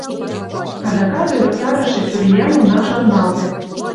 Адакат ӧрыктарыше чуриян уна шарналте.